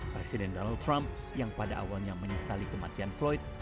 presiden donald trump yang pada awalnya menyesali kematian floyd